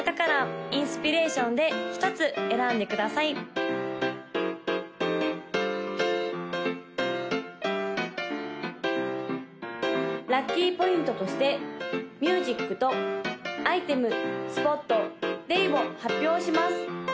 ・赤色紫色黄色青色の・ラッキーポイントとしてミュージックとアイテムスポットデイを発表します！